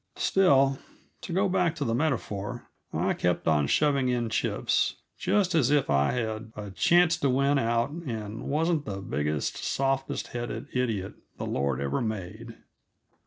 Still, to go back to the metaphor, I kept on shoving in chips, just as if I had a chance to win out and wasn't the biggest, softest headed idiot the Lord ever made.